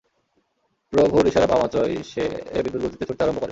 প্রভুর ইশারা পাওয়া মাত্রই সে বিদ্যুৎগতিতে ছুটতে আরম্ভ করে।